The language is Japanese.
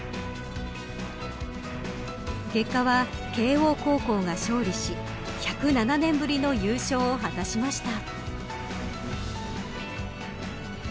結果は慶応高校が勝利し１０７年ぶりの優勝を果たしました。